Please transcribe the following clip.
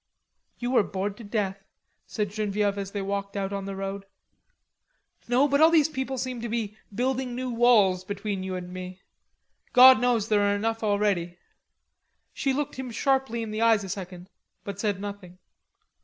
"You were bored to death," said Genevieve, as they walked out on the road. "No, but those people all seemed to be building new walls between you and me. God knows there are enough already." She looked him sharply in the eyes a second, but said nothing.